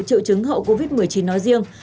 chữ chứng hậu covid một mươi chín nói riêng